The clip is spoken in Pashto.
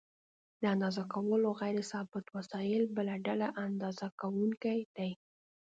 د اندازه کولو غیر ثابت وسایل بله ډله اندازه کوونکي دي.